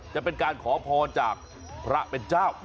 จะเป็นการขอพรจากพระเป็นเจ้า